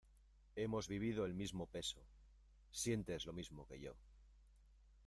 hemos vivido el mismo peso, sientes lo mismo que yo.